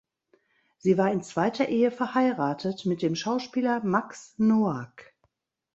Sie war in zweiter Ehe verheiratet mit dem Schauspieler Max Noack.